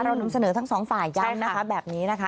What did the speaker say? เราน้ำเสนอทั้งสองฝ่ายังนะคะแบบนี้นะคะ